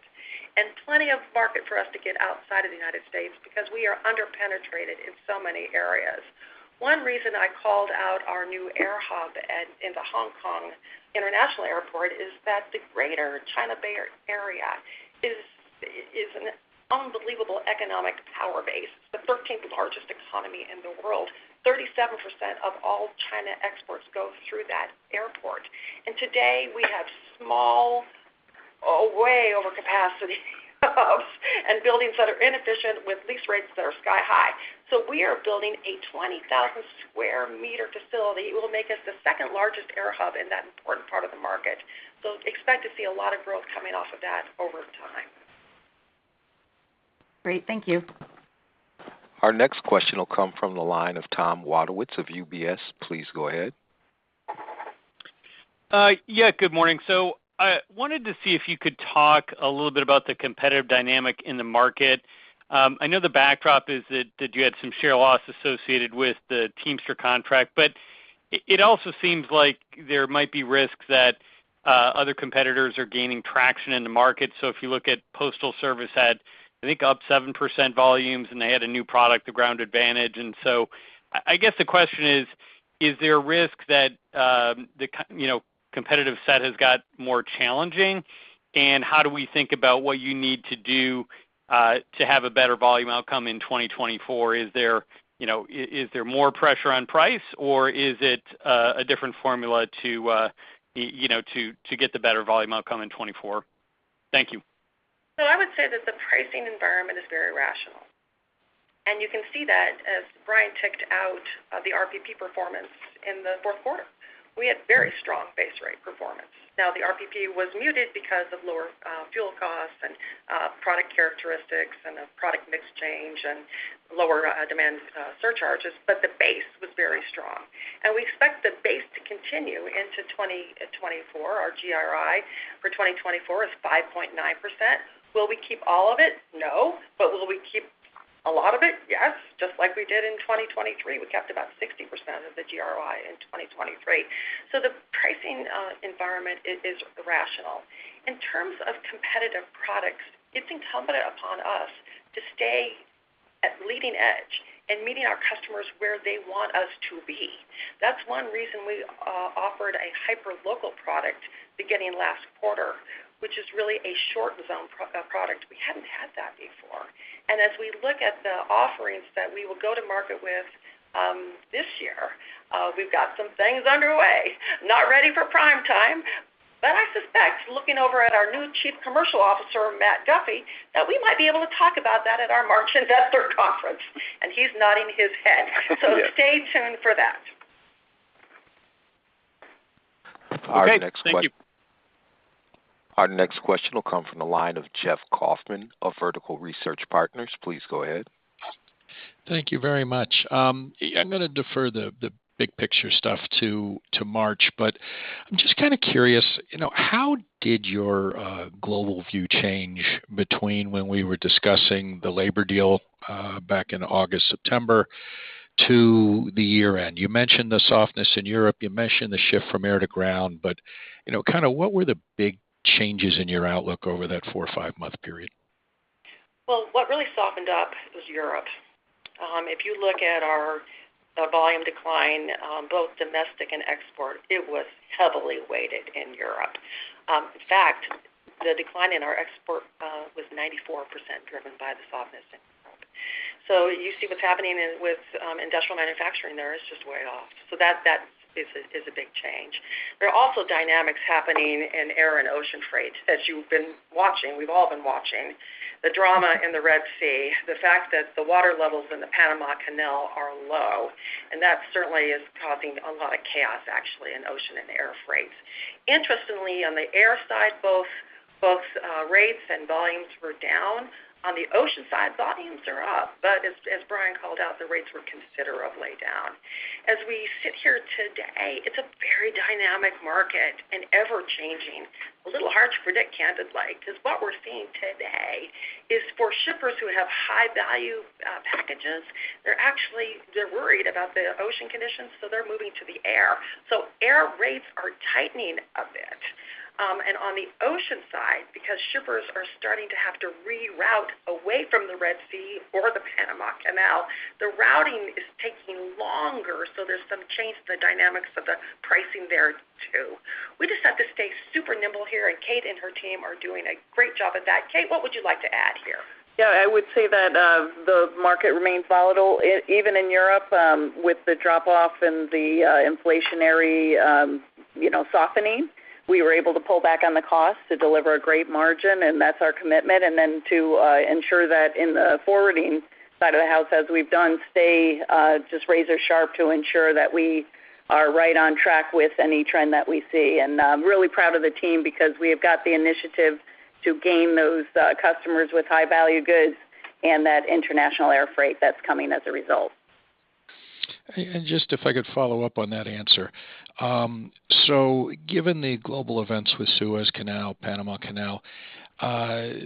and plenty of market for us to get outside of the United States because we are under-penetrated in so many areas. One reason I called out our new air hub at in the Hong Kong International Airport is that the Greater China Bay Area is an unbelievable economic power base, the thirteenth largest economy in the world. 37% of all China exports go through that airport, and today we have small, way over capacity, hubs and buildings that are inefficient with lease rates that are sky high. So we are building a 20,000 square meter facility. It will make us the second-largest air hub in that important part of the market. So expect to see a lot of growth coming off of that over time. Great. Thank you. Our next question will come from the line of Tom Wadewitz of UBS. Please go ahead. Yeah, good morning. So I wanted to see if you could talk a little bit about the competitive dynamic in the market. I know the backdrop is that you had some share loss associated with the Teamsters contract, but it also seems like there might be risks that other competitors are gaining traction in the market. So if you look at Postal Service had, I think, up 7% volumes, and they had a new product, the Ground Advantage. So I guess the question is: Is there a risk that the, you know, competitive set has got more challenging? And how do we think about what you need to do to have a better volume outcome in 2024? Is there, you know, is there more pressure on price, or is it a different formula to, you know, to get the better volume outcome in 2024? Thank you. So I would say that the pricing environment is very rational, and you can see that as Brian ticked out, the RPP performance in the fourth quarter. We had very strong base rate performance. Now, the RPP was muted because of lower, fuel costs and, product characteristics and the product mix change and lower, demand, surcharges, but the base was very strong, and we expect the base to continue into 2024. Our GRI for 2024 is 5.9%. Will we keep all of it? No. But will we keep a lot of it? Yes, just like we did in 2023. We kept about 60% of the GRI in 2023. So the pricing environment is rational. In terms of competitive products, it's incumbent upon us to stay at leading edge and meeting our customers where they want us to be. That's one reason we offered a hyperlocal product beginning last quarter, which is really a short-zone product. We hadn't had that before. As we look at the offerings that we will go to market with, this year, we've got some things underway, not ready for prime time, but I suspect, looking over at our new Chief Commercial Officer, Matt Guffey, that we might be able to talk about that at our March Investor Conference, and he's nodding his head. Yeah. Stay tuned for that. Okay. Thank you. Our next question will come from the line of Jeff Kauffman of Vertical Research Partners. Please go ahead. Thank you very much. I'm gonna defer the big picture stuff to March, but I'm just kind of curious, you know, how did your global view change between when we were discussing the labor deal back in August, September, to the year-end? You mentioned the softness in Europe, you mentioned the shift from air to ground, but, you know, kind of what were the big changes in your outlook over that four or five month period? Well, what really softened up was Europe. If you look at our volume decline, both domestic and export, it was heavily weighted in Europe. In fact, the decline in our export was 94% driven by the softness in Europe. So you see what's happening in with industrial manufacturing there, it's just way off. So that is a big change. There are also dynamics happening in air and ocean freight. As you've been watching, we've all been watching the drama in the Red Sea, the fact that the water levels in the Panama Canal are low, and that certainly is causing a lot of chaos, actually, in ocean and air freight. Interestingly, on the air side, both rates and volumes were down. On the ocean side, volumes are up, but as Brian called out, the rates were considerably down. As we sit here today, it's a very dynamic market and ever-changing. A little hard to predict candidly, because what we're seeing today is for shippers who have high-value packages, they're actually, they're worried about the ocean conditions, so they're moving to the air. So air rates are tightening a bit. And on the ocean side, because shippers are starting to have to reroute away from the Red Sea or the Panama Canal, the routing is taking longer, so there's some change in the dynamics of the pricing there, too. We just have to stay super nimble here, and Kate and her team are doing a great job at that. Kate, what would you like to add here? Yeah, I would say that, the market remains volatile. Even in Europe, with the drop-off in the, inflationary, you know, softening, we were able to pull back on the cost to deliver a great margin, and that's our commitment. And then to ensure that in the forwarding side of the house, as we've done, stay just razor-sharp to ensure that we are right on track with any trend that we see. And, I'm really proud of the team because we have got the initiative to gain those, customers with high-value goods and that international air freight that's coming as a result. Just if I could follow up on that answer. Given the global events with Suez Canal, Panama Canal,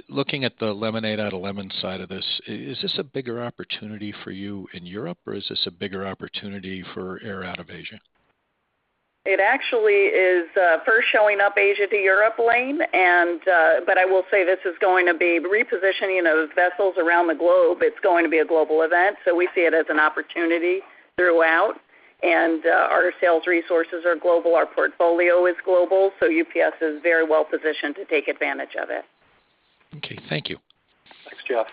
looking at the lemonade out of lemons side of this, is this a bigger opportunity for you in Europe, or is this a bigger opportunity for air out of Asia? It actually is, first showing up Asia to Europe lane, and, but I will say this is going to be repositioning those vessels around the globe. It's going to be a global event, so we see it as an opportunity throughout. And, our sales resources are global, our portfolio is global, so UPS is very well positioned to take advantage of it. Okay, thank you. Thanks, Jeff.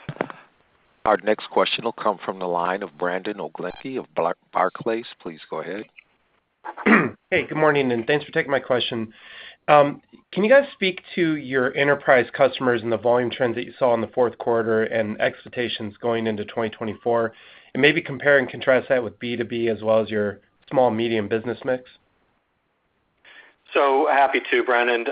Our next question will come from the line of Brandon Oglenski of Barclays. Please go ahead. Hey, good morning, and thanks for taking my question. Can you guys speak to your enterprise customers and the volume trends that you saw in the fourth quarter and expectations going into 2024, and maybe compare and contrast that with B2B as well as your small and medium business mix? So happy to, Brandon.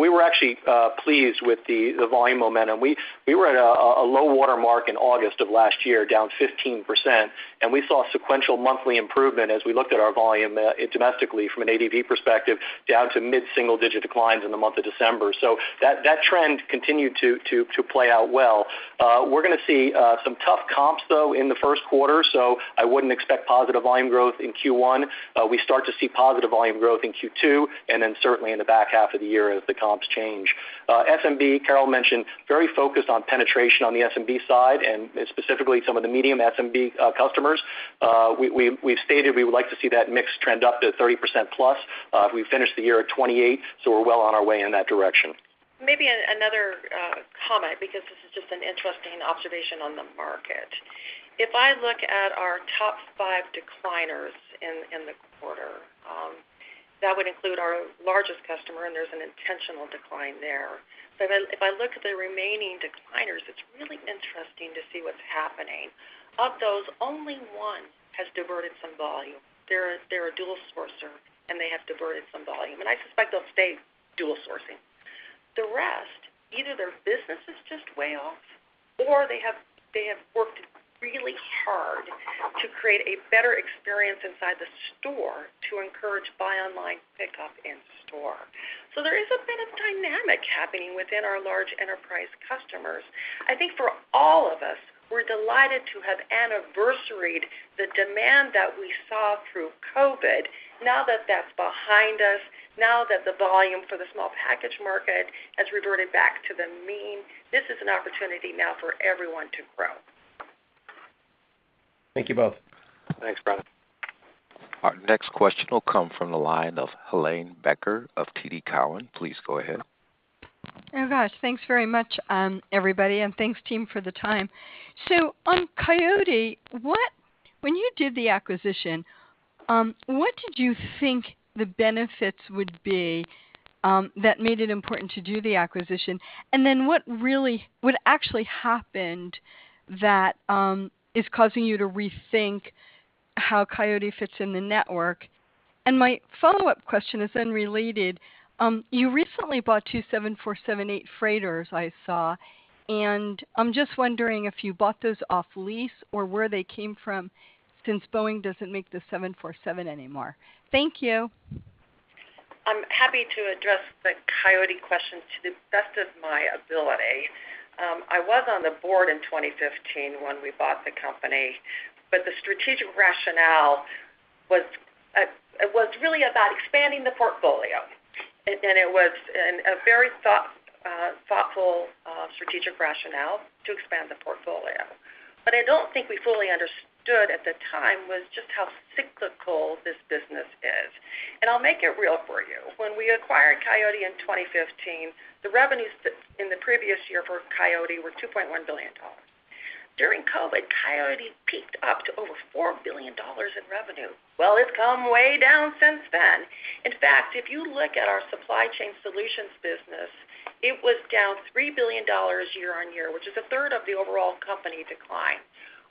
We were actually pleased with the volume momentum. We were at a low water mark in August of last year, down 15%, and we saw sequential monthly improvement as we looked at our volume domestically from an ADV perspective, down to mid-single-digit declines in the month of December. So that trend continued to play out well. We're gonna see some tough comps, though, in the first quarter, so I wouldn't expect positive volume growth in Q1. We start to see positive volume growth in Q2, and then certainly in the back half of the year as the comps change. SMB, Carol mentioned, very focused on penetration on the SMB side, and specifically some of the medium SMB customers. We've stated we would like to see that mix trend up to 30% plus. We finished the year at 28, so we're well on our way in that direction. Maybe another comment, because this is just an interesting observation on the market. If I look at our top five decliners in the quarter, that would include our largest customer, and there's an intentional decline there. But then if I look at the remaining decliners, it's really interesting to see what's happening. Of those, only one has diverted some volume. They're a dual sourcer, and they have diverted some volume, and I suspect they'll stay dual sourcing. The rest, either their business is just way off, or they have worked really hard to create a better experience inside the store to encourage buy online, pickup in store. So there is a bit of dynamic happening within our large enterprise customers. I think for all of us, we're delighted to have anniversaried the demand that we saw through COVID. Now that that's behind us, now that the volume for the small package market has reverted back to the mean, this is an opportunity now for everyone to grow. Thank you both. Thanks, Brandon. Our next question will come from the line of Helane Becker of TD Cowen. Please go ahead. Oh, gosh, thanks very much, everybody, and thanks, team, for the time. So on Coyote, when you did the acquisition, what did you think the benefits would be, that made it important to do the acquisition? And then what really, what actually happened that is causing you to rethink how Coyote fits in the network? And my follow-up question is then related. You recently bought two 747-8 freighters, I saw, and I'm just wondering if you bought those off lease or where they came from, since Boeing doesn't make the 747 anymore. Thank you. I'm happy to address the Coyote question to the best of my ability. I was on the board in 2015 when we bought the company, but the strategic rationale was, it was really about expanding the portfolio. And it was a very thoughtful strategic rationale to expand the portfolio. But I don't think we fully understood at the time was just how cyclical this business is. And I'll make it real for you. When we acquired Coyote in 2015, the revenues that in the previous year for Coyote were $2.1 billion. During COVID, Coyote peaked up to over $4 billion in revenue. Well, it's come way down since then. In fact, if you look at our Supply Chain Solutions business, it was down $3 billion year-on-year, which is a third of the overall company decline.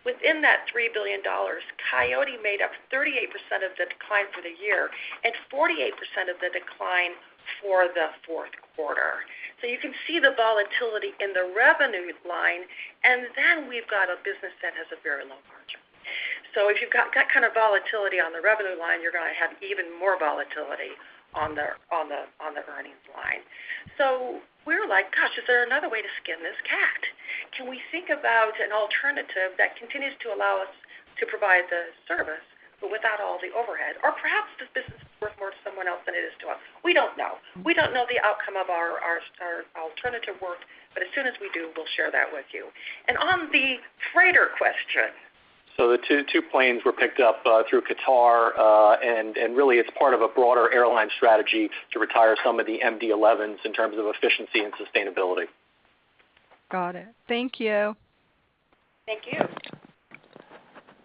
Within that $3 billion, Coyote made up 38% of the decline for the year and 48% of the decline for the fourth quarter. So you can see the volatility in the revenue line, and then we've got a business that has a very low margin. So if you've got that kind of volatility on the revenue line, you're gonna have even more volatility on the earnings line. So we're like, gosh, is there another way to skin this cat? Can we think about an alternative that continues to allow us to provide the service, but without all the overhead? Or perhaps this business is worth more to someone else than it is to us. We don't know. We don't know the outcome of our alternative work, but as soon as we do, we'll share that with you. And on the freighter question- So, the two, two planes were picked up through Qatar, and really, it's part of a broader airline strategy to retire some of the MD-11s in terms of efficiency and sustainability. Got it. Thank you. Thank you.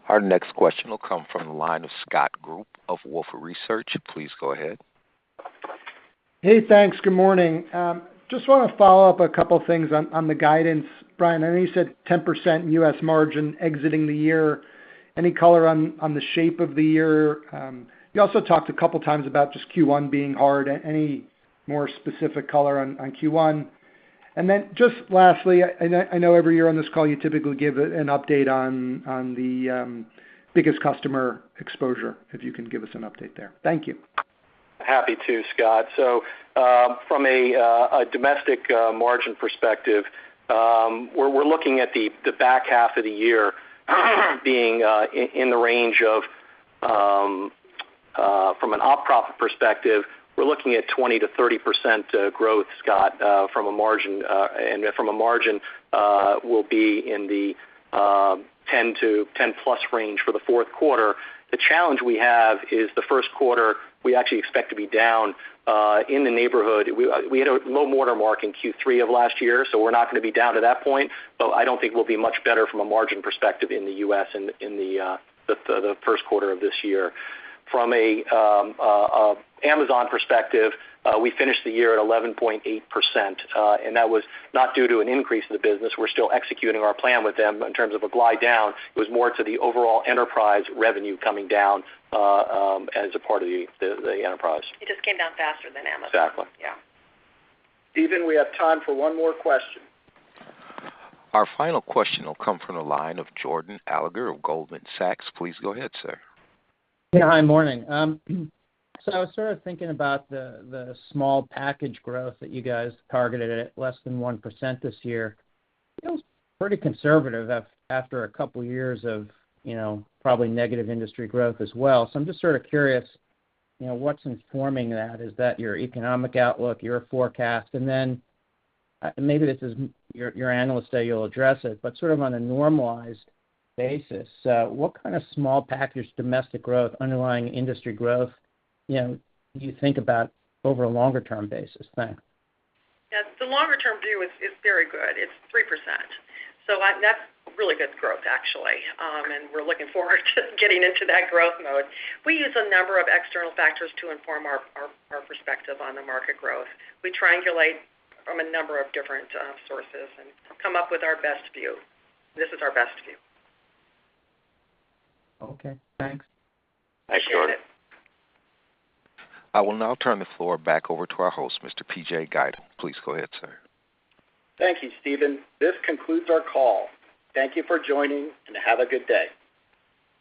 Our next question will come from the line of Scott Group of Wolfe Research. Please go ahead. Hey, thanks. Good morning. Just wanna follow up a couple things on the guidance. Brian, I know you said 10% U.S. margin exiting the year. Any color on the shape of the year? You also talked a couple times about just Q1 being hard. Any more specific color on Q1? And then just lastly, I know every year on this call, you typically give an update on the biggest customer exposure, if you can give us an update there. Thank you. Happy to, Scott. So, from a domestic margin perspective, we're looking at the back half of the year, being in the range of, from an op profit perspective, we're looking at 20%-30% growth, Scott, from a margin, and from a margin, we'll be in the 10 to 10+ range for the fourth quarter. The challenge we have is the first quarter, we actually expect to be down in the neighborhood. We had a low water mark in Q3 of last year, so we're not gonna be down to that point, but I don't think we'll be much better from a margin perspective in the U.S. in the first quarter of this year. From an Amazon perspective, we finished the year at 11.8%, and that was not due to an increase in the business. We're still executing our plan with them in terms of a glide down. It was more to the overall enterprise revenue coming down, as a part of the enterprise. It just came down faster than Amazon. Exactly. Yeah. Stephen, we have time for one more question. Our final question will come from the line of Jordan Alliger of Goldman Sachs. Please go ahead, sir. Yeah, hi, morning. So I was sort of thinking about the small package growth that you guys targeted at less than 1% this year. It was pretty conservative after a couple of years of, you know, probably negative industry growth as well. So I'm just sort of curious, you know, what's informing that? Is that your economic outlook, your forecast? And then, maybe this is your analyst say you'll address it, but sort of on a normalized basis, what kind of small package domestic growth, underlying industry growth, you know, do you think about over a longer-term basis? Thanks. Yeah, the longer-term view is very good. It's 3%, so that's really good growth, actually, and we're looking forward to getting into that growth mode. We use a number of external factors to inform our perspective on the market growth. We triangulate from a number of different sources and come up with our best view. This is our best view. Okay, thanks. Thanks, Jordan. I will now turn the floor back over to our host, Mr. PJ Guido. Please go ahead, sir. Thank you, Stephen. This concludes our call. Thank you for joining, and have a good day.